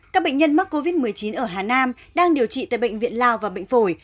các bệnh nhân mắc covid một mươi chín ở hà nam đang điều trị tại bệnh viện lao và bệnh phổi